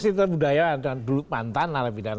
masih budayawan dulu mantan narapidaya